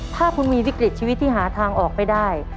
ถ้าคุณมีวิกฤตชีวิตที่หาทางออกไม่ได้